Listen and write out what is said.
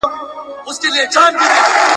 کله کله به وو دومره قهرېدلی !.